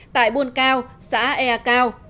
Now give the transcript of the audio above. tại buôn cao xã ea cao